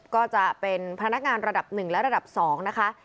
ก็จะเป็นพนักงานระดับ๑และระดับ๒นะคะ